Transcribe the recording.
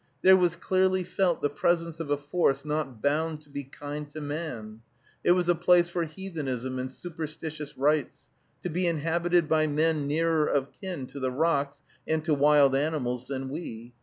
There was clearly felt the presence of a force not bound to be kind to man. It was a place for heathenism and superstitious rites, to be inhabited by men nearer of kin to the rocks and to wild animals than we.